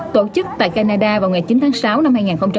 tổ chức tại canada vào ngày chín tháng sáu năm hai nghìn một mươi tám